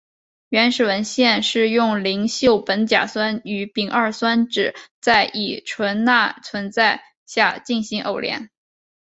原始文献是用邻溴苯甲酸与丙二酸酯在乙醇钠存在下进行偶联。